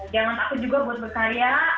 jangan takut juga buat bersaya